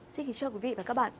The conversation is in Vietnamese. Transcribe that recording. xin kính chào quý vị và các bạn